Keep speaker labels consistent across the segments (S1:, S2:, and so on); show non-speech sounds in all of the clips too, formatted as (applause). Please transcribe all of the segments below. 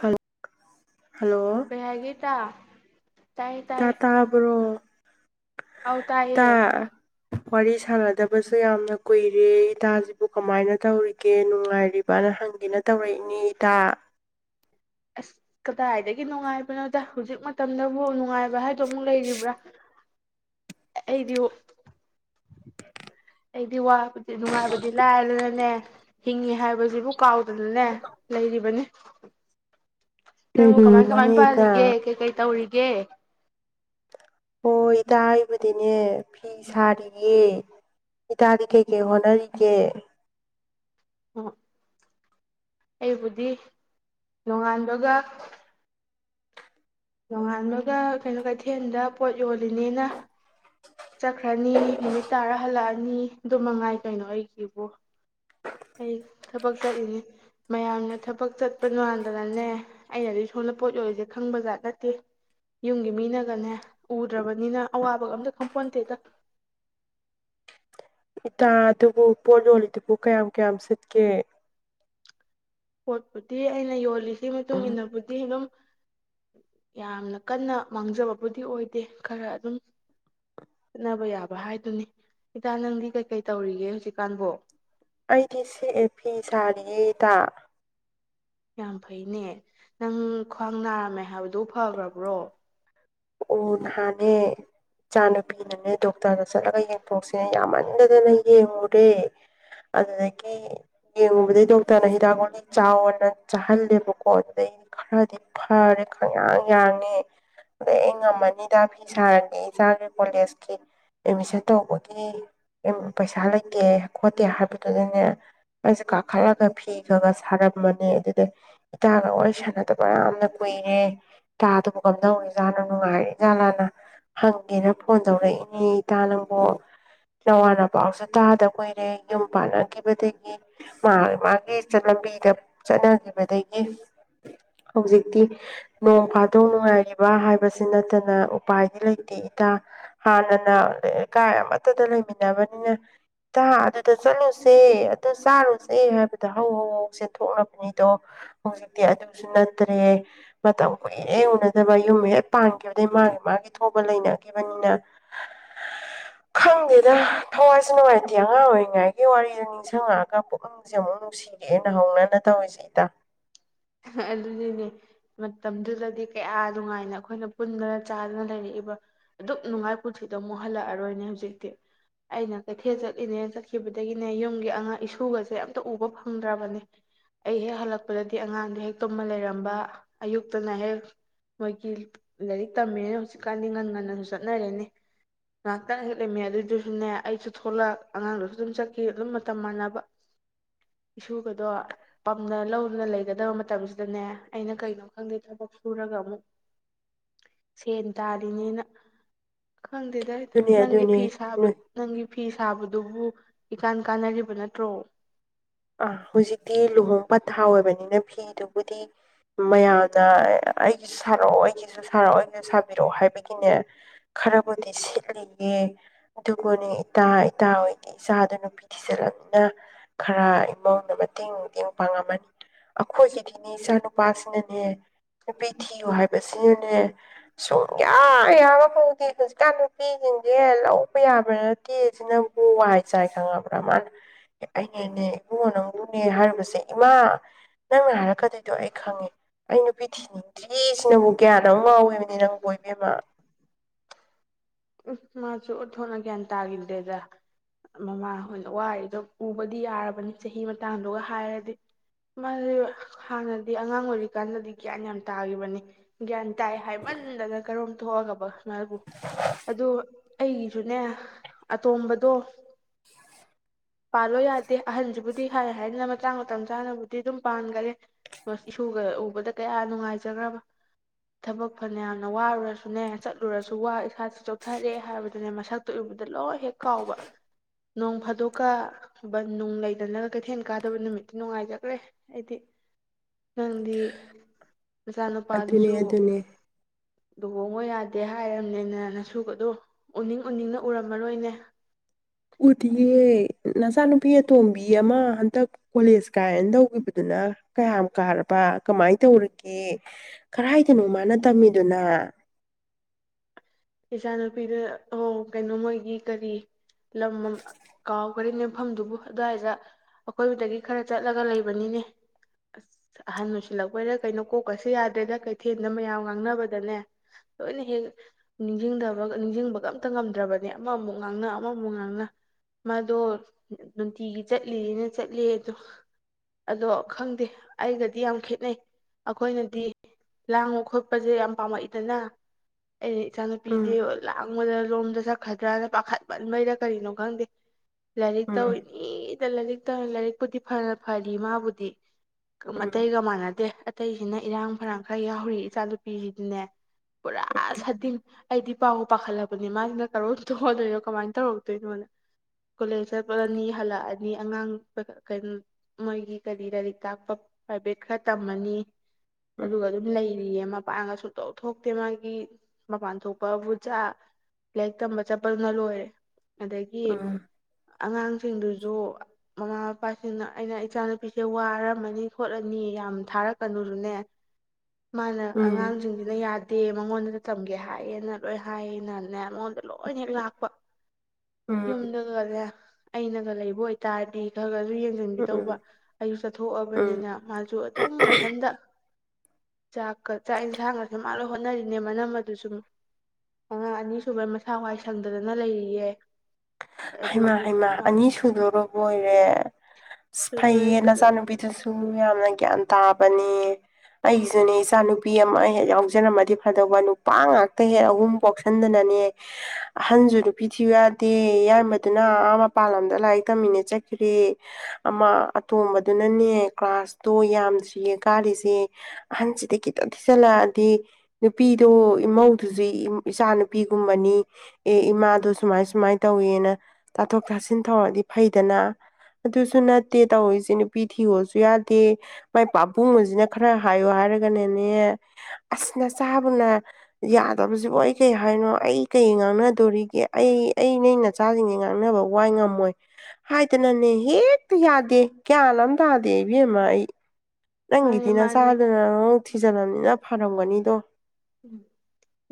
S1: ꯍꯜ
S2: ꯑꯣ ꯀꯩ ꯍꯥꯏꯒꯦꯏꯇꯥ
S1: ꯇ ꯇꯥꯕ꯭ꯔꯣ
S2: ꯑꯧ ꯇꯥꯏꯌꯦ
S1: ꯇ ꯋꯔ ꯁꯥꯟꯅꯗꯕꯁꯨ ꯌꯥꯝꯅ ꯀꯨꯏꯔꯦ ꯏꯇꯥꯁꯤꯕꯨ ꯀꯃꯥꯏꯅ ꯇꯧꯔꯤꯒꯦ ꯅꯨꯡꯉꯥꯏꯔꯤꯕꯅ ꯍꯪꯒꯦꯅ ꯇꯧꯔꯛꯏꯅꯦ ꯏꯇꯥ
S2: ꯑꯁ ꯀꯗꯥꯏꯗꯒꯤ ꯅꯨꯡꯉꯥꯏꯕꯅꯣꯗ ꯍꯧꯖꯤꯛ ꯃꯇꯝꯗꯕꯨ ꯅꯨꯡꯉꯥꯏꯕ ꯚꯥꯏ ꯇꯣ ꯑꯃꯨꯛ ꯂꯩꯔꯤꯕ꯭ꯔꯥ ꯑꯩꯗꯤꯑꯣ ꯑꯩꯗꯤ ꯋꯥ ꯅꯨꯡꯉꯥꯏꯕꯗꯤ ꯂꯥꯏꯔꯅꯅꯦ ꯍꯤꯡꯉꯤ ꯍꯥꯏꯕꯁꯤꯕꯨ ꯀꯥꯎꯗꯅꯅꯦ ꯂꯩꯔꯤꯕꯅꯤ (inaudible) ꯅꯪ ꯀꯃꯥꯏ ꯀ
S1: ꯀꯔꯤꯅꯣꯅꯦ
S2: ꯃꯥꯏꯄꯜꯒ
S1: ꯏꯇꯥ
S2: ꯀꯦ ꯀꯩ ꯇ ꯎ ꯌꯦ
S1: ꯑꯣ ꯏꯇꯥ ꯑꯩꯕꯨꯗꯤꯅꯦ ꯐꯤ ꯁꯥꯔꯤꯌꯦ ꯏꯇꯥꯗꯤ ꯀꯩ ꯀꯩ ꯍꯣꯠꯅꯔꯤꯒꯦ
S2: ꯑꯥ ꯑꯩꯕꯨꯗꯤ ꯅꯣꯡꯉꯥꯟꯕꯒ ꯅꯣꯡꯉꯥꯟꯕꯒ ꯀꯩꯅꯣ ꯀꯩꯊꯦꯜꯗ ꯄꯣꯠ ꯌꯣꯜꯂꯤꯅꯦꯅ ꯆꯛ ꯔꯥꯅꯤ ꯅꯨꯃꯤꯠ ꯇꯥꯔꯥ ꯍꯜꯂꯛꯑ ꯑꯅꯤ ꯑꯗꯨ ꯃꯉꯥꯏ ꯀꯩꯅꯣ ꯑꯩꯒꯤꯕꯨ ꯑꯩ ꯊꯕꯛ ꯆꯠꯂꯤꯅꯦ ꯃꯌꯥꯝꯅ ꯊꯕꯛ ꯆꯠꯄ ꯉꯥꯟꯗꯅꯅꯦ ꯑꯩꯅ ꯗꯤ ꯁꯣꯝꯗ ꯄꯣꯠ ꯑꯣꯏꯔꯤꯁꯦ ꯈꯪꯕ ꯖꯥꯠ ꯅꯠꯇꯦ ꯌꯨꯝꯒꯤ ꯃꯤꯅꯒꯅꯦ ꯎꯗ꯭ꯔꯕꯅꯤꯅ ꯑꯋꯥꯕꯒ ꯑꯝꯇ ꯈꯟꯄꯣꯠꯇꯦꯗ
S1: ꯏꯇꯥ ꯑꯗꯨꯕꯨ ꯄꯣꯠ ꯌꯣꯜꯗꯨꯕꯨ ꯀꯌꯥꯝ ꯀꯌꯥꯝ ꯁꯤꯠꯀꯦ
S2: ꯄꯣꯠꯄꯨꯗꯤ ꯑꯩꯅ ꯌꯣꯜꯂꯤ ꯗꯨꯒꯤ ꯃꯇꯨꯡ ꯏꯟꯅꯕꯨꯗꯤ ꯑꯗꯨꯝ ꯌꯥꯝꯅ ꯀꯟꯅ ꯃꯥꯡꯖꯕꯕꯨꯗꯤ ꯑꯣꯏꯗꯦ ꯈꯔ ꯑꯗꯨꯝ ꯆꯠꯅꯕ ꯌꯥꯕ ꯍꯥꯏꯗꯨꯅꯤ ꯏꯇꯥ ꯅꯪꯗꯤ ꯀꯩꯀꯩ ꯇꯧꯔꯤꯒꯦ ꯍꯧꯖꯤꯛꯀꯥꯟꯕꯣ
S1: ꯑꯩꯗꯤ ꯁꯦ ꯑꯦ ꯐꯤ ꯁꯥꯔꯤꯌꯦ ꯏꯇꯥ
S2: ꯌꯥꯝ ꯐꯩꯅꯦ ꯅꯪ ꯈ꯭ꯋꯥꯡ ꯅꯥꯔꯝꯃꯦ ꯍꯥꯏꯕꯗꯨꯕꯣ ꯐꯈ꯭ꯔꯕ꯭ꯔꯣ
S1: ꯎ ꯅꯍꯥꯟꯅꯦ ꯏꯆꯥ ꯅꯨꯨꯄꯤꯅꯅꯦ ꯗꯣꯛꯇꯔꯗ ꯆꯠꯂꯒ ꯌꯦꯡꯊꯣꯛꯁꯦꯅ ꯌꯥꯝꯃꯟꯗꯗꯅ ꯌꯦꯡꯉꯨꯔꯦ ꯑꯗꯨꯗꯒꯤ ꯌꯦꯡꯉꯨꯕꯗꯒꯤ ꯗꯣꯛꯇꯔꯅ ꯍꯤꯗꯥꯛ ꯃꯅꯤꯡ ꯆꯥꯎꯑꯣꯅ ꯆꯥꯍꯜꯂꯦꯕꯀꯣ ꯑꯗꯨꯗꯩ ꯈꯔꯗꯤ ꯐꯔꯦ ꯈꯌꯥꯥꯡ ꯌꯥꯡꯉꯦ ꯑꯩ ꯉꯝꯃꯅꯤꯗ ꯐꯤ ꯁꯥꯔꯒꯦ ꯏꯆꯥꯒꯤ ꯀꯣꯂꯦꯖꯀꯤ ꯑꯦꯠꯃꯤꯁꯟ ꯇꯧꯕꯒꯤ ꯄꯩꯁꯥ ꯂꯩꯇꯦ ꯈꯣꯠꯇꯦ ꯍꯥꯏꯕꯗꯨꯗꯅꯦ ꯑꯩꯁꯦ ꯀꯥꯈꯠꯂꯒ ꯐꯤꯒꯒ ꯁꯥꯔꯝꯃꯅꯤ ꯑꯗꯨꯗꯤ ꯏꯇꯥꯒ ꯋꯥꯔꯤ ꯁꯥꯟꯅꯗꯕ ꯌꯥꯝꯅ ꯀꯨꯏꯔꯦ ꯇꯥꯗꯕꯨ ꯀꯝꯅꯧꯔꯤ ꯑꯣꯖꯥꯅ ꯅꯨꯡꯉꯥꯏ ꯏꯖꯥꯂꯥꯅ ꯍꯪꯒꯦꯅ ꯐꯣꯟ ꯇꯧꯔꯛꯏꯅꯦ ꯏꯇꯥ ꯅꯪꯕꯣ ꯅꯋꯥ ꯅ ꯄꯥꯎꯁꯨ ꯇꯥꯗ ꯀꯨꯏꯔꯦ ꯌꯨꯝ ꯄꯥꯟꯅꯈꯤꯕꯗꯒꯤ ꯃꯥ ꯃꯥꯒꯤ ꯆꯠꯂꯝꯕꯤꯗ ꯆꯠꯅꯈꯤꯕꯗꯒꯤ ꯍꯧꯖꯤꯛꯇꯤ ꯅꯣꯡ ꯐꯥꯗꯣꯛ ꯅꯨꯡꯉꯥꯏꯔꯤꯕ ꯍꯥꯏꯕꯁꯤ ꯅꯠꯇꯅ ꯎꯄꯥꯏꯗꯤ ꯂꯩꯇꯦ ꯏꯇꯥ ꯍꯥꯟꯅꯅ ꯂꯩꯀꯥꯏ ꯑꯃꯠꯇꯗ ꯂꯩꯃꯤꯟꯅꯕꯅꯤꯅ ꯏꯇꯥ ꯑꯗꯨꯗ ꯆꯠꯂꯨꯁꯦ ꯑꯗꯨ ꯆꯥꯔꯨꯁꯦ ꯍꯥꯏꯕꯗ ꯍꯧ ꯍꯧ ꯍꯧꯁꯦ ꯊꯣꯛꯂꯕꯅꯤꯗꯣ ꯍꯧꯖꯤꯛꯇꯤ ꯑꯗꯨꯁꯨ ꯅꯠꯇ꯭ꯔꯦ ꯃꯇꯝ ꯀꯨꯏꯔꯦ ꯎꯅ ꯑꯗꯨꯒ ꯌꯨꯝ ꯍꯦꯛ ꯄꯥꯟꯈꯤꯕꯗꯒꯩ ꯃꯥꯒꯤ ꯃꯥꯒꯤ ꯊꯣꯛꯄ ꯂꯩꯅꯈꯤꯕꯅꯤꯅ ꯈꯪꯗꯦꯗ ꯊꯋꯥꯏꯁꯤ ꯅꯨꯡꯉꯥꯏꯇꯦ ꯑꯉꯥꯡ ꯑꯣꯏꯔꯤꯉꯥꯏꯒꯤ ꯋꯥꯔꯤꯗꯣ ꯅꯤꯡꯁꯤꯡꯉꯛꯑꯒ ꯄꯨꯛꯅꯤꯡꯁꯦ ꯑꯃꯨꯛ ꯅꯨꯡꯁꯤꯔꯛꯑꯦꯅ ꯍꯧꯅꯅ ꯇꯧꯔꯤꯁꯦ ꯏꯇꯥ
S2: ꯑꯗꯨꯗꯤꯅꯦ ꯃꯇꯝꯗꯨꯗꯗꯤ ꯀꯌꯥ ꯅꯨꯡꯉꯥꯏꯅ ꯑꯩꯈꯣꯏꯅ ꯄꯨꯟꯂ ꯆꯥꯗꯅ ꯂꯩꯔꯛꯏꯕ ꯑꯗꯨꯛ ꯅꯨꯡꯉꯥꯏ ꯄꯨꯟꯁꯤꯗꯣ ꯑꯃꯨꯛ ꯍꯜꯂꯛꯑꯔꯣꯏꯅꯦ ꯍꯧꯖꯤꯛꯇꯤ ꯑꯩꯅ ꯀꯩꯊꯦꯜ ꯆꯠꯂꯤꯅꯦ ꯆꯠꯈꯤꯕꯗꯒꯤꯅꯦ ꯌꯨꯝꯒꯤ ꯑꯉꯥꯡ ꯏꯁꯨꯒꯁꯦ ꯑꯝꯇ ꯎꯕ ꯐꯪꯗ꯭ꯔꯕꯅꯦ ꯑꯩ ꯍꯦꯛ ꯍꯜꯂꯛꯄꯗꯗꯤ ꯍꯥꯏꯗꯤ ꯑꯉꯥꯡꯗꯣ ꯍꯦꯛ ꯇꯨꯝꯃ ꯂꯩꯔꯝꯕ ꯑꯌꯨꯛꯇꯅ ꯍꯦꯛ ꯃꯣꯏꯒꯤ ꯂꯥꯏꯔꯤꯛ ꯇꯝꯃꯦꯅ ꯍꯧꯖꯤꯛꯀꯥꯟꯗꯤ ꯉꯟꯅ ꯉꯟꯅꯁꯨ ꯆꯠꯅꯔꯦꯅꯦ ꯉꯥꯏꯍꯥꯛꯇꯪ ꯍꯦꯛ ꯂꯩꯃꯦ ꯑꯗꯨꯏꯗꯨꯁꯨꯅꯦ ꯑꯩꯁꯨ ꯊꯣꯛꯂꯛ ꯑꯉꯥꯡꯗꯨꯁꯨ ꯑꯗꯨꯝ ꯆꯠꯈꯤ ꯑꯗꯨꯝ ꯃꯇꯝ ꯃꯥꯟꯅꯕ ꯏꯁꯨꯒꯗꯣ ꯄꯝꯅ ꯂꯧꯗꯅ ꯂꯩ ꯒꯗꯕ ꯃꯇꯝꯁꯤꯗꯅꯦ ꯑꯩꯅ ꯀꯩꯅꯣ ꯈꯪꯗꯦ ꯊꯕꯛ ꯁꯨꯔꯒ ꯑꯃꯨꯛ ꯁꯦꯟ ꯇꯥꯂꯤꯅꯦꯅ ꯈꯪꯗꯦꯗꯥꯏ
S1: ꯑꯗꯨꯅꯦ
S2: ꯅꯪꯒꯤ
S1: ꯑꯗꯨꯅꯦ
S2: ꯐꯤ ꯁꯥꯕ ꯅꯪꯒꯤ ꯐꯤ ꯁꯥꯕꯗꯨꯕꯨ ꯏꯀꯥꯟ ꯀꯥꯟꯅꯔꯤꯕ ꯅꯠꯇ꯭ꯔꯣ
S1: ꯑꯥ ꯍꯧꯖꯤꯛꯇꯤ ꯂꯨꯍꯣꯡ ꯄꯊꯥ ꯑꯣꯏꯕꯅꯤꯅ ꯐꯤꯗꯨꯕꯨꯗꯤ ꯃꯌꯥꯗ ꯑꯩꯒꯤ ꯁꯥꯔꯛꯑꯣ ꯑꯩꯒꯤꯁꯨ ꯁꯥꯔꯛꯑꯣ ꯑꯩꯒꯤꯁꯨ ꯁꯥꯕꯤꯔꯛꯑꯣ ꯍꯥꯏꯕꯒꯤꯅꯦ ꯈꯔꯕꯨꯗꯤ ꯁꯤꯠꯂꯤꯌꯦ ꯑꯗꯨꯒꯅꯦ ꯏꯇꯥ ꯏꯇꯥ ꯍꯣꯏꯒꯤ ꯏꯆꯥꯗꯨ ꯅꯨꯄꯤ ꯊꯤꯖꯤꯜꯂꯅꯤꯅ ꯈꯔ ꯏꯃꯧꯗ ꯃꯇꯦꯡ ꯃꯇꯦꯡ ꯄꯥꯡꯉꯝꯃꯅꯤ ꯑꯩꯈꯣꯏꯁꯤꯗꯤꯅꯦ ꯏꯆꯥ ꯅꯨꯨꯄꯥꯁꯤꯅꯅꯦ ꯅꯨꯄꯤ ꯊꯤꯌꯨ ꯍꯥꯏꯕꯁꯤꯅꯦ ꯁꯨꯡꯌꯥꯌꯥꯕ ꯀꯧꯗꯦ ꯍꯧꯖꯤꯛꯀꯥꯟ ꯅꯨꯄꯤꯁꯤꯡꯁꯦ ꯂꯧꯕ ꯌꯥꯕ ꯅꯠꯇꯦ ꯁꯤꯅꯕꯨ ꯋꯥꯏ ꯆꯥꯏ ꯈꯪꯉꯕ꯭ꯔꯥ ꯃꯥꯅ ꯑꯩꯗꯤꯅꯦ ꯏꯕꯨꯡꯉꯣ ꯅꯪꯕꯨꯅꯦ ꯍꯥꯏꯔꯨꯕꯁꯦ ꯏꯃꯥ ꯅꯪꯅ ꯍꯥꯏꯔꯛꯀꯗꯣꯏꯗꯣ ꯑꯩ ꯈꯪꯉꯦ ꯑꯩ ꯅꯨꯄꯤ ꯊꯤꯅꯤꯡꯗ꯭ꯔꯤꯁꯤꯅꯕꯨ ꯒ꯭ꯌꯥꯟ ꯅꯪ ꯉꯥꯎꯋꯦꯕꯅꯦ ꯅꯪꯕꯨ ꯑꯣꯏꯕꯦꯝꯃ
S2: ꯎ ꯃꯥꯁꯨ ꯎꯊꯣꯛꯅ ꯒ꯭ꯌꯥꯟ ꯇꯥꯈꯤꯗꯦꯗ ꯃꯃꯥ ꯍꯣꯏꯅ ꯋꯥꯔꯤꯗꯣ ꯎꯕꯗꯤ ꯌꯥꯔꯕꯅꯤ ꯆꯍꯤ ꯃꯇꯥꯡꯗꯨꯒ ꯍꯥꯏꯔꯗꯤ ꯃꯥꯁ ꯍꯥꯟꯅꯗꯤ ꯑꯉꯥꯡ ꯑꯣꯏꯔꯤꯀꯥꯟꯗꯗꯤ ꯒ꯭ꯌꯥꯟ ꯌꯥꯝ ꯇꯥꯒꯤꯈꯤꯕꯅꯤ ꯒ꯭ꯌꯥꯟ ꯇꯥꯏ ꯍꯥꯏꯃꯟꯗꯅ ꯀꯔꯣꯝ ꯊꯣꯛꯑꯒ ꯋꯥꯕꯥ ꯉꯕꯨ ꯑꯗꯨ ꯑꯩꯒꯤꯁꯨꯅꯦ ꯑꯇꯣꯝꯕꯗꯣ ꯄꯥꯜꯂꯣ ꯌꯥꯗꯦ ꯑꯍꯟꯁꯤꯕꯨꯗꯤ ꯍꯥꯏ ꯍꯥꯏꯗꯅ ꯃꯇꯥꯡ ꯃꯇꯝ ꯆꯥꯅꯕꯨꯗꯤ ꯑꯗꯨꯝ ꯄꯥꯟꯒꯂꯦ ꯏꯁꯨꯒ ꯎꯕꯗ ꯀꯌꯥ ꯅꯨꯡꯉꯥꯏꯖꯈ꯭ꯔꯕ ꯊꯕꯛ ꯐꯅ ꯌꯥꯝꯅ ꯋꯥꯔꯨꯔꯁꯨꯅꯦ ꯆꯠꯂꯨꯔꯁꯨ ꯋꯥ ꯏꯁꯥ ꯆꯣꯛꯊꯔꯛꯑꯦ ꯍꯥꯏꯕꯗꯨꯅꯦ ꯃꯁꯛꯇꯨꯏꯕꯗ ꯂꯣꯏ ꯍꯦꯛ ꯀꯥꯎꯕ ꯅꯣꯡ ꯐꯥꯗꯣꯛꯀꯕ ꯅꯨꯡ ꯂꯩꯗꯅꯒ ꯀꯩꯊꯦꯜ ꯀꯥꯗꯕ ꯅꯨꯃꯤꯠꯇꯤ ꯅꯨꯡꯉꯥꯏꯖꯈ꯭ꯔꯦ ꯑꯩꯗꯤ ꯅꯪꯗꯤ
S1: ꯑꯗꯨꯅꯦ
S2: ꯏꯆꯥꯅꯨꯄꯥꯗꯨꯁꯨ
S1: ꯑꯗꯨꯅꯦ
S2: ꯂꯨꯍꯣꯡꯉꯣ ꯌꯥꯗꯦ ꯍꯥꯏꯔꯕꯅꯤꯅ ꯅ ꯑꯨꯗꯨꯒꯗꯨ ꯎꯅꯤꯡ ꯎꯅꯤꯡꯅ ꯎꯔꯝꯃꯔꯣꯏꯅꯦ
S1: ꯎꯗꯤꯌꯦ ꯅꯆꯥꯅꯨꯄꯤ ꯑꯇꯣꯝꯕꯤ ꯑꯃ ꯍꯟꯇꯛ ꯀꯣꯂꯦꯖ ꯀꯥꯏꯅ ꯇꯧꯈꯤꯕꯗꯨꯅ ꯀꯌꯥꯝ ꯀꯥꯔꯕ ꯀꯃꯥꯏꯅ ꯇꯧꯔꯒꯦ ꯀꫪꯥꯏ ꯗꯅꯣ ꯃꯥꯅ ꯇꯝꯃꯤꯗꯨꯅ
S2: ꯏꯆꯥꯅꯨꯄꯤꯗꯨ ꯑꯣ ꯀꯩꯅꯣ ꯃꯣꯏꯒꯤ ꯀꯔꯤ ꯂꯝ ꯀꯥꯎ ꯒꯔꯦꯅꯦ ꯐꯝꯗꯨꯕꯨ ꯑꯗꯨꯋꯥꯏꯗ ꯑꯩꯀꯣꯏꯕꯗꯒꯤ ꯈꯔ ꯆꯠꯂꯒ ꯂꯩꯕꯅꯤꯅꯦ ꯑꯁ ꯑꯍꯟ ꯑꯣꯏꯁꯤꯜꯂꯛꯄꯩꯔ ꯀꯩꯅꯣ ꯀꯣꯛꯀꯁꯦ ꯌꯥꯗ꯭ꯔꯦꯗ ꯀꯩꯊꯦꯜꯗ ꯃꯌꯥꯝ ꯉꯥꯡꯅꯕꯗꯅꯦ ꯂꯣꯏꯅ ꯍꯦꯛ ꯅꯤꯡꯁꯤꯡꯗꯕ ꯅꯤꯡꯁꯤꯡꯕꯒ ꯑꯝꯇ ꯉꯝꯗ꯭ꯔꯕꯅꯦ ꯑꯃꯃꯨꯛ ꯉꯥꯡꯅ ꯑꯃꯃꯨꯛ ꯉꯥꯡꯅ ꯃꯥꯗꯣ ꯅꯨꯡꯇꯤꯒꯤ ꯆꯠꯂꯤꯅ ꯆꯠꯂꯤ ꯑꯗꯣ ꯑꯗꯣ ꯈꯪꯗꯦ ꯑꯩꯒꯗꯤ ꯌꯥꯝ ꯈꯦꯠꯅꯩ ꯑꯈꯣꯏꯅꯗꯤ ꯂꯥꯡꯕ ꯈꯣꯠꯄꯁꯦ ꯌꯥꯝ ꯄꯥꯝꯃꯛꯏꯗꯅ ꯑꯩ ꯏꯆꯥ ꯅꯨꯄꯤꯁꯦ
S1: ꯎꯝ
S2: ꯂꯥꯡ ꯃꯣꯂꯦ ꯂꯣꯝꯗ ꯆꯠꯈꯗ꯭ꯔꯅ ꯄꯥꯈꯠꯃꯟꯕꯩꯔ ꯀꯔꯤꯅꯣ ꯈꯪꯗꯦ
S1: ꯎꯝ
S2: ꯂꯥꯏꯔꯤꯛꯇꯧꯔꯤꯅꯤ ꯂꯥꯏꯔꯤꯛ ꯂꯥꯏꯔꯤꯛꯄꯨꯗꯤ ꯐꯅ ꯐꯔꯤ ꯃꯥꯕꯨꯗꯤ ꯃ
S1: ꯎꯝ
S2: ꯑꯩꯒ ꯃꯥꯥꯟꯅꯗꯦ ꯑꯇꯩꯁꯤꯅ ꯏꯔꯥꯡ ꯐꯔꯥꯡ ꯈꯔ ꯌꯥꯎꯔꯤ ꯏꯆꯥꯅꯨꯄꯤꯁꯤꯗꯤꯅꯦ ꯄꯨꯔꯥ (unintelligible) ꯑꯩꯗꯤ ꯄꯥꯎꯕꯨ ꯄꯥꯈꯠꯂꯕꯅꯤ ꯃꯥꯁꯤꯅ ꯀꯔꯣꯝ ꯊꯣꯛꯍꯜꯗꯣꯏꯅꯣ ꯀꯃꯥꯏꯅ ꯇꯧꯔꯛꯇꯣꯏꯅꯣꯅ ꯀꯣꯂꯦꯖ ꯆꯠꯂꯂꯅꯤ ꯍꯜꯂꯛꯑꯅꯤ ꯑꯉꯥꯡ ꯀꯩꯅꯣ ꯃꯣꯏꯒꯤ ꯀꯔꯤ ꯂꯥꯏꯔꯤꯛ ꯇꯥꯛꯄ ꯄ꯭ꯔꯥꯏꯚꯦꯠ ꯈꯔ ꯇꯝꯃꯅꯤ ꯑꯗꯨꯒ
S1: ꯎꯝ
S2: ꯑꯗꯨꯝ ꯂꯩꯔꯤꯌꯦ ꯄꯥꯥꯡꯒꯁꯨ ꯇꯧꯊ ꯊꯣꯛꯇꯦ ꯃꯥꯒꯤ ꯃꯄꯥꯟ ꯊꯣꯛꯄꯕꯨꯖꯥ ꯂꯥꯏꯔꯤꯛ ꯇꯝꯕ ꯆꯠꯄꯗꯨꯅ ꯂꯣꯏꯔꯦ ꯑꯗꯒꯤ
S1: ꯎꯝ
S2: ꯑꯉꯥꯡ ꯁꯤꯡꯗꯨꯁꯨ ꯃꯃꯥ ꯃꯄꯥꯁꯤꯡꯅ ꯑꯩꯅ ꯏꯆꯥ ꯅꯨꯨꯄꯤꯁꯦ ꯋꯥꯔꯝꯃꯅꯤ ꯈꯣꯠꯂꯅꯤ ꯌꯥꯝ ꯊꯥꯔꯛꯀꯅꯨꯁꯨꯅꯦ ꯃꯥꯅ
S1: ꯎꯝ
S2: ꯑꯉꯥꯡꯁꯤꯡꯁꯤꯅ ꯌꯥ ꯃꯉꯣꯟꯗ ꯆꯝꯒꯦ ꯍꯥꯏꯌꯦꯅ ꯂꯣꯏ ꯍꯥꯏꯌꯦꯅꯅꯦꯉꯣꯟ ꯂꯣꯏꯅ ꯍꯦꯛ ꯂꯥꯛꯄ
S1: ꯎꯝ ꯎꯝ
S2: ꯌꯨꯝꯗꯒꯅꯦ ꯑꯩꯅꯒ ꯂꯩꯕ ꯑꯣꯏꯇꯥꯔꯗꯤ ꯈꯔ ꯈ ꯌꯦꯡꯁꯤꯟꯕꯤ ꯇꯧꯕ
S1: ꯎꯝ
S2: ꯑꯌꯨꯛ ꯆꯠꯊꯣꯛꯑꯕꯅꯤꯅ
S1: ꯎꯝ
S2: ꯃꯥꯁꯨ ꯑꯗꯨꯝ ꯃꯊꯟꯇ ꯆꯥꯛꯀ ꯆꯥꯛ ꯌꯦꯟꯁꯥꯡꯒꯁꯨ ꯃꯥ ꯂꯧ ꯍꯣꯠꯅꯔꯤꯅꯦ ꯃꯅꯝ ꯑꯗꯨ ꯁꯨꯝ ꯃꯉꯥ ꯑꯅꯤ ꯁꯨꯕ ꯃꯁꯥ ꯋꯥꯏ ꯁꯪꯗꯗꯅ ꯂꯩꯔꯤꯌꯦ
S1: ꯍꯩꯃꯥ
S2: ꯑꯗꯨꯒꯤ
S1: ꯍꯩꯃꯥ
S2: ꯃꯥ
S1: ꯑꯅꯤ ꯁꯨꯗꯣꯔꯣ ꯃꯣꯏꯔꯦ
S2: ꯁꯨꯗꯣꯔꯦ
S1: ꯐꯩꯌꯦ
S2: ꯁꯨꯗꯣꯔꯦ
S1: ꯅꯆꯥꯅꯨꯕꯤꯗꯨꯁꯨ ꯌꯥꯝꯅ ꯒ꯭ꯌꯥꯟ ꯇꯥꯕꯅꯦ ꯑꯩꯒꯤꯁꯨꯅꯦ ꯏꯆꯥ ꯅꯨꯄꯤ ꯑꯃ ꯍꯦꯛ ꯌꯥꯎꯖꯔꯝꯃꯗꯤ ꯐꯗꯧꯕ ꯅꯨꯄꯥ ꯉꯥꯛꯇ ꯍꯦꯛ ꯑꯍꯨꯝ ꯄꯣꯛꯁꯟꯗꯅꯅꯦ ꯑꯍꯟꯁꯨ ꯅꯨꯄꯤꯁꯨꯁꯨ ꯌꯥꯗꯦ ꯑꯗꯨꯅ ꯑꯥ ꯃꯄꯥꯥꯟ ꯂꯝꯗ ꯂꯥꯏꯔꯤꯛ ꯇꯝꯃꯤꯟꯅ ꯆꯠꯈ꯭ꯔꯦ ꯑꯃ ꯑꯇꯣꯝꯕꯗꯨꯅꯅꯦ ꯀ꯭ꯂꯥꯁꯇꯣ ꯌꯥꯝꯗ꯭ꯔꯤꯌꯦ ꯀꯥꯔꯤꯁꯦ ꯑꯍꯟꯁꯤꯗꯤ ꯈꯤꯇꯪ ꯊꯤꯖꯤꯜꯂꯛꯑꯗꯤ ꯅꯨꯄꯤꯗꯣ ꯏꯃꯧꯗꯨꯁꯨ ꯏꯆꯥ ꯅꯨꯨꯄꯤꯒꯨꯝꯕꯅꯤ ꯑꯦ ꯏꯃꯥꯗꯣ ꯁꯨꯃꯥꯏ ꯁꯨꯃꯥꯏꯅ ꯇꯧꯋꯦꯅ ꯇꯥꯊꯣꯛ ꯇꯥꯁꯤꯟ ꯇꯧꯔꯗꯤ ꯐꯩꯗꯅ ꯑꯗꯨꯁꯨ ꯅꯠꯇꯦ ꯇꯧꯔꯤꯁꯦ ꯅꯨꯄꯤ ꯊꯤꯌꯣꯁꯨ ꯌꯥꯗꯦ ꯃꯥꯏ ꯄꯥꯕꯨꯡꯕꯁꯤꯅ ꯈꯔ ꯍꯥꯏꯌꯣ ꯍꯥꯏꯔꯒꯅꯅꯦ ꯑꯁꯅ ꯆꯥꯕꯅ ꯌꯥꯗꯕꯁꯤꯕꯨ ꯑꯣꯏ ꯀꯩ ꯍꯥꯏꯅꯣ ꯑꯩ ꯀꯩ ꯉꯥꯡꯅꯗꯣꯔꯤꯒꯦ ꯑꯩ ꯑꯩ ꯅ ꯅ ꯆꯥꯔꯤꯉꯩ ꯉꯥꯡꯅꯕ ꯋꯥꯏ ꯉꯝꯃꯣꯏ ꯍꯥꯏꯗꯅꯅꯦ ꯍꯦꯛꯇ ꯌꯥꯗꯦ ꯀꯌꯥꯅꯝ ꯇꯥꯗꯦ ꯏꯕꯦꯝꯃ ꯑꯩ
S2: ꯃꯥꯅꯦ
S1: ꯅꯪꯒꯤꯗꯤ
S2: ꯃꯥꯅꯦ
S1: ꯅꯆꯥꯗꯨꯅ ꯅꯃꯧ ꯊꯤꯖꯜꯂꯕꯅꯤꯅ ꯅ ꯐꯔꯝꯒꯅꯤꯗꯣ
S2: ꯎꯝ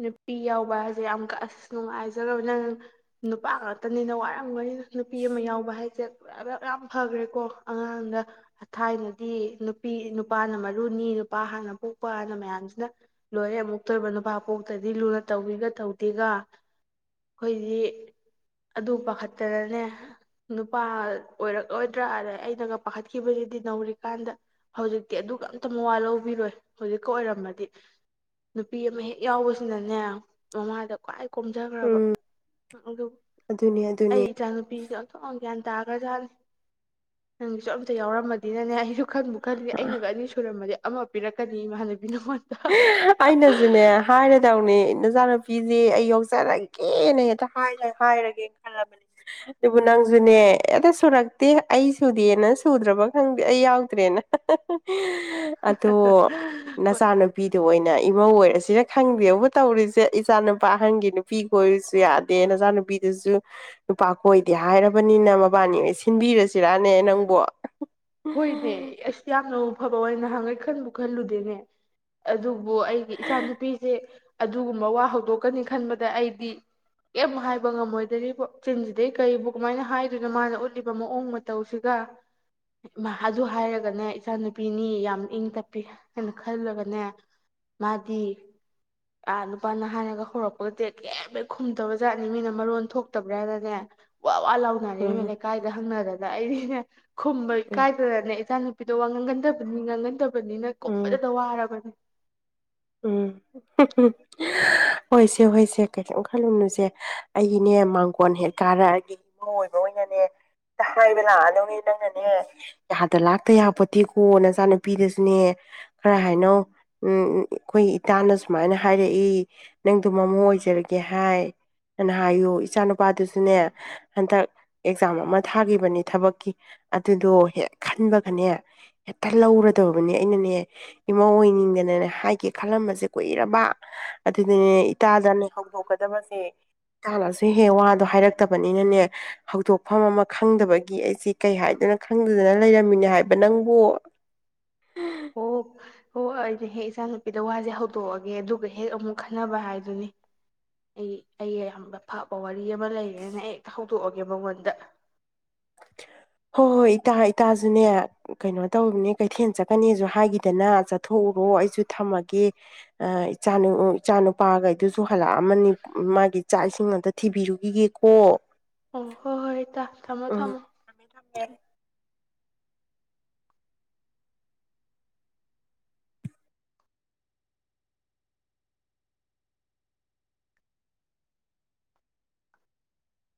S2: ꯅꯨꯄꯤ ꯌꯥꯎꯕ ꯍꯥꯏꯁꯦ ꯌꯥꯝ ꯀ ꯑꯁ ꯅꯨꯡꯉꯥꯏꯖꯗꯕ ꯅꯪ ꯅꯨꯄꯥ ꯉꯥꯛꯇꯅꯤꯅ ꯋꯥꯔꯝꯒꯅꯤꯅ ꯅꯨꯄꯤ ꯑꯃ ꯌꯥꯎꯕ ꯍꯥꯏꯁꯦ ꯌꯥꯝ ꯐꯈ꯭ꯔꯦꯀꯣ ꯑꯉꯥꯡꯗ ꯊꯥꯏꯅꯗꯤ ꯅꯨꯄꯤ ꯅꯨꯄꯥꯅ ꯃꯔꯨꯅꯤ ꯅꯨꯄꯥ ꯍꯥꯟꯅ ꯄꯣꯛꯄꯅ ꯃꯌꯥꯝꯁꯤꯅ ꯂꯣꯏꯔ ꯑꯃꯨꯛ ꯑꯇꯣꯏꯕ ꯅꯨꯄꯥ ꯄꯣꯛꯇꯗꯤ ꯂꯨꯅ ꯇꯧꯤꯒ ꯇꯧꯗꯦꯒ ꯑꯩꯈꯣꯏꯗꯤ ꯑꯗꯨ ꯄꯥꯈꯠꯇꯅꯅꯦ ꯅꯨꯄꯥ ꯑꯣꯏꯔꯛꯂꯣꯏꯗ꯭ꯔꯥ ꯑꯗꯩ ꯑꯩꯅꯒ ꯄꯥꯈꯠꯈꯤꯕꯁꯤꯗꯤ ꯅꯧꯔꯤꯀꯥꯟꯗ ꯍꯧꯖꯤꯛꯇꯤ ꯑꯗꯨ ꯑꯝꯇ ꯃꯋꯥ ꯂꯧꯕꯤꯔꯣꯏ ꯍꯧꯖꯤꯛꯀ ꯑꯣꯏꯔꯝꯃꯗꯤ ꯅꯨꯄꯤ ꯑꯃ ꯍꯦꯛ ꯌꯥꯎꯕꯁꯤꯅꯅꯦ ꯃꯃꯥꯗ ꯈ꯭ꯋꯥꯏ ꯀꯣꯝꯖꯈ꯭ꯔꯕ
S1: ꯎꯝ
S2: ꯑꯗꯨ
S1: ꯑꯗꯨꯅꯦ
S2: ꯑꯩ
S1: ꯑꯗꯨꯅꯦ
S2: ꯏꯆꯥꯅꯨꯄꯤꯁꯤꯗ ꯑꯝꯇꯛ ꯒ꯭ꯌꯥꯟ ꯇꯥꯈ꯭ꯔꯖꯥꯠꯅꯤ ꯅꯪꯒꯤꯁꯨ ꯑꯝꯇ ꯌꯥꯎꯔꯃꯗꯤꯅꯅꯦ ꯑꯩꯁꯨ ꯈꯟꯕꯨ ꯈꯜꯂꯤꯅꯦ ꯑꯩꯅꯒ ꯑꯅꯤ ꯁꯨꯔꯝꯃꯗꯤ ꯑꯃ ꯄꯤꯔꯛꯀꯅꯤ ꯃꯥꯅ ꯑꯗꯨꯅꯃꯠꯇ
S1: ꯑꯩꯅꯖꯨꯅꯦ ꯍꯥꯏꯔꯗꯧꯅꯦ ꯅꯆꯥ ꯅꯆꯨ ꯄꯤꯅꯧꯑꯩ ꯌꯧꯖꯔꯛꯒꯦꯅ ꯍꯦꯛꯇ ꯍꯥꯏꯔ ꯍꯥꯏꯔꯒꯦ ꯈꯜꯂꯕꯅꯦ ꯑꯗꯨꯕꯨ ꯅꯪꯁꯨꯅꯦ ꯑꯛꯇ ꯁꯨꯔꯛꯇꯦ ꯑꯩ ꯁꯨꯗꯦꯅ ꯁꯨꯗ꯭ꯔꯕ ꯈꯪꯗꯦ ꯑꯩ ꯌꯥꯎꯗ꯭ꯔꯦꯅ ꯑꯗꯣ
S2: ꯍꯣꯏ
S1: ꯅꯆꯥꯥꯅ ꯑꯣꯏꯅ ꯏꯃꯧ ꯑꯣꯏꯔꯁꯤꯔ ꯈꯪꯗꯦꯕꯨ ꯇꯧꯔꯤꯁꯦ ꯏꯆꯥ ꯅꯨꯄꯥ ꯑꯍꯟꯒꯤ ꯅꯨꯄꯤ ꯀꯣꯏꯔꯁꯨ ꯌꯥꯗꯦ ꯅꯆꯥ ꯅꯨꯨꯄꯤꯗꯨꯁꯨ ꯅꯨꯄꯥ ꯀꯣꯏꯗꯦ ꯍꯥꯏꯔꯕꯅꯤꯅ ꯃꯕꯥꯅꯤ ꯑꯣꯏꯅ ꯁꯤꯟꯕꯤꯔꯁꯤꯔꯅꯦ ꯅꯪꯕꯨꯣ
S2: ꯍꯣꯏꯅꯦ ꯑꯁ ꯌꯥꯝꯅꯕꯨ ꯑꯐꯕ ꯑꯣꯏꯅ ꯅꯍꯥꯡꯈꯩ ꯈꯟꯕꯨ ꯈꯜꯂꯨꯗꯦꯅꯦ ꯑꯗꯨ ꯑꯗꯨꯕꯨ ꯑꯩꯒꯤ ꯏꯆꯥ ꯅꯨꯨꯄꯤꯁꯦ ꯑꯗꯨꯒꯨꯝꯕ ꯋꯥ ꯍꯧꯗꯣꯛꯀꯅꯤ ꯈꯟꯕꯗ ꯑꯩꯗꯤ ꯀꯩꯝ ꯍꯥꯏꯕ ꯉꯝꯃꯣꯏꯗꯔꯤꯕꯣ ꯆꯤꯟꯁꯤꯗꯩ ꯀꯔꯤꯕꯨ ꯀꯃꯥꯏꯅ ꯍꯥꯏꯗꯣꯏꯅꯣ ꯃꯥꯅ ꯎꯠꯂꯤꯕ ꯃꯑꯣꯡ ꯃꯇꯧꯁꯤꯒ ꯑꯗꯨ ꯍꯥꯏꯔꯒꯅꯦ ꯏꯆꯥꯅꯨꯄꯤꯅꯤ ꯌꯥꯝ ꯏꯪ ꯇꯞꯄꯤ ꯍꯥꯏꯅ ꯈꯜꯂꯒꯅꯦ ꯃꯥꯗꯤ ꯑꯥ ꯅꯨꯄꯥꯅ ꯅꯍꯥꯅ ꯍꯧꯔꯛꯄꯒꯖꯦ ꯀꯔꯤ ꯍꯦꯛ ꯈꯨꯝꯗꯕ ꯖꯥꯠꯅꯤ ꯃꯤꯅ ꯃꯔꯣꯟ ꯊꯣꯛꯇꯕ꯭ꯔꯥꯅꯅꯦ ꯋꯥ ꯂꯥꯎꯅꯔꯤ
S1: ꯎꯝ
S2: ꯂꯩꯀꯥꯏꯗ ꯍꯪꯅꯗꯅ ꯑꯩꯗꯤ (unintelligible) ꯈꯨꯝ
S1: ꯎꯝ
S2: ꯀꯥꯏ ꯗꯧꯔꯅꯦ ꯏꯆꯥ ꯄꯗꯣ ꯋꯥ ꯉꯪꯒꯟꯗꯕꯅꯤ ꯉꯪꯒꯟꯗꯕ ꯕꯅꯤꯅ
S1: ꯎꯝ
S2: ꯀꯨꯝꯕꯗꯇ ꯋꯥꯔꯕꯅꯦ
S1: ꯎꯝ ꯍꯨꯝ ꯍꯨꯝ ꯍꯣꯏꯁꯦ ꯍꯣꯏꯁꯦ ꯀꯩꯝ ꯈꯜꯂꯨꯅꯨꯁꯦ ꯑꯩꯅꯦ ꯃꯥꯡꯒꯣꯟ ꯍꯦꯛ ꯀꯥꯔꯛꯑꯒꯦ ꯏꯃꯧꯑꯣꯏꯕ ꯑꯣꯏꯅꯅꯦ ꯍꯦꯛꯇ ꯍꯥꯏꯕ ꯂꯥꯛꯑꯗꯧꯅꯦ ꯅꯪꯅꯅꯦ ꯌꯥꯗ ꯂꯥꯛꯇ ꯌꯥꯄꯣꯠꯇꯦꯀꯣ ꯅꯆꯥꯅꯨꯄꯤꯗꯁꯨꯅꯦ ꯈꯔ ꯍꯥꯏꯅꯧ ꯎꯝꯃ ꯑꯩꯈꯣꯏ ꯏꯇꯥꯅ ꯁꯨꯃꯥꯏꯅ ꯍꯥꯏꯔꯛꯏ ꯅꯪꯗꯣ ꯃꯃꯧ ꯑꯣꯏꯖꯔꯒꯦ ꯍꯥꯏ ꯑꯥꯅ ꯍꯥꯏꯌꯨ ꯏꯆꯥ ꯅꯨꯨꯄꯥꯗꯨꯁꯨꯅꯦ ꯍꯟꯗꯛ ꯑꯦꯛꯖꯥꯝ ꯑꯃ ꯊꯥꯈꯤꯕꯅꯦ ꯊꯕꯛꯀꯤ ꯑꯗꯨꯗꯣ ꯍꯦꯛ ꯈꯟꯕꯒꯅꯦ ꯍꯦꯛꯇ ꯂꯧꯔꯗꯕꯅꯤ ꯑꯩꯅꯅꯦ ꯏꯃꯥ ꯑꯣꯏꯅꯤꯡꯗꯅꯅꯦ ꯍꯥꯏꯒꯦ ꯈꯜꯂꯝꯕꯁꯦ ꯀꯨꯏꯔꯕ ꯑꯗꯨꯗꯅꯦ ꯏꯇꯥꯗꯅꯦ ꯍꯧꯗꯣꯛꯀꯗꯕꯁꯦ ꯏꯇꯥꯅꯁꯨ ꯍꯦ ꯋꯥꯗꯣ ꯍꯥꯏꯔꯛꯇꯕꯅꯤꯅꯅꯦ ꯍꯧꯗꯣꯛꯐꯝ ꯑꯃ ꯈꯪꯗꯕꯒꯤ ꯑꯩꯁꯦ ꯀꯩ ꯍꯥꯏꯗꯣꯏꯅ ꯈꯪꯗꯗꯅ ꯂꯩꯔꯝꯃꯤꯅꯦ ꯍꯥꯏꯕ ꯅꯪꯕꯨ
S2: ꯍꯣ ꯍꯣ ꯑꯩꯅ ꯍꯦꯛ ꯏꯆꯥ ꯅꯨꯨꯄꯤꯗ ꯋꯥꯁꯦ ꯍꯧꯗꯣꯛꯑꯒꯦ ꯑꯗꯨꯒ ꯍꯦꯛ ꯑꯃꯨꯛ ꯈꯟꯅꯕ ꯍꯥꯏꯗꯨꯅꯤ ꯑꯩ ꯑꯩ ꯌꯥꯝ ꯐꯕ ꯋꯥꯔꯤ ꯑꯃ ꯂꯩꯔꯦꯅ ꯍꯦꯛꯇ ꯍꯧꯗꯣꯛꯑꯒꯦ ꯃꯉꯣꯟꯗ
S1: ꯍꯣꯏ ꯍꯣꯏ ꯏꯇꯥ ꯏꯇꯥꯁꯨꯅꯦ ꯀꯩꯅꯣ ꯇꯧꯅꯦ ꯀꯩꯊꯦꯜ ꯆꯠꯀꯅꯤꯁꯨ ꯍꯥꯏꯈꯤꯗꯅ ꯆꯠꯊꯣꯛꯎꯔꯣ ꯑꯩꯁꯨ ꯊꯝꯃꯒꯦ ꯑ ꯏꯆꯥ ꯏꯆꯥꯅꯨꯄꯥꯒꯩꯗꯨꯁꯨ ꯍꯜꯂꯛꯑꯝꯃꯅꯤ ꯃꯥꯒꯤ ꯆꯥꯛ ꯏꯁꯤꯡ ꯑꯝꯇ ꯊꯤꯕꯤꯔꯨꯈꯤꯒꯦꯀꯣ ꯍꯣ
S2: ꯍꯣꯏꯍꯣ ꯍꯣꯏ ꯏꯇꯥ ꯊꯝꯃꯣ ꯊꯝꯃꯣ
S1: ꯊꯝꯃꯦ ꯊꯝꯃꯦ